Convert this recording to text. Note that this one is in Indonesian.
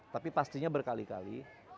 tapi pastinya berkali kali